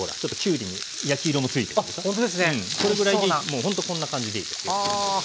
もうほんとこんな感じでいいですよ。